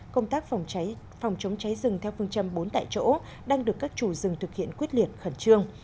công tác phòng chống cháy rừng theo phương châm bốn tại chỗ đang được các chủ rừng thực hiện quyết liệt khẩn trương